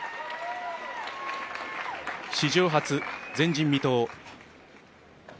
史上初、前人未到。